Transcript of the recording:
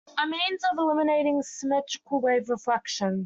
A means of eliminating symmetrical wave reflection.